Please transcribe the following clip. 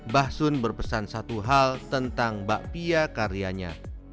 basun berpesan satu hal tentang bakpia karyanya